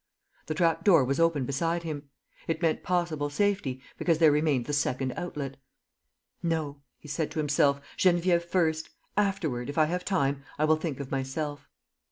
The trap door was open beside him; it meant possible safety, because there remained the second outlet. "No," he said to himself, "Geneviève first. Afterward, if I have time, I will think of myself."